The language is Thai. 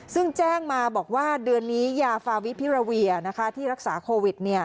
ซึ่งแจ้งมาบอกว่าเดือนนี้ยาฟาวิพิราเวียที่รักษาโควิด